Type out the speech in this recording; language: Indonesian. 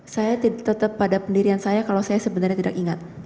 saya tetap pada pendirian saya kalau saya sebenarnya tidak ingat